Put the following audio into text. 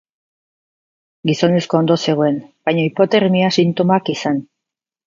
Gizonezkoa ondo zegoen, baina hipotermia sintomak izan.